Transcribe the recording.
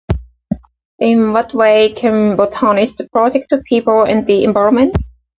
In what way can botanists protect people and the environment?